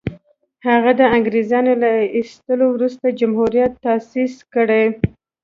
هغه د انګرېزانو له ایستلو وروسته جمهوریت تاءسیس کړي.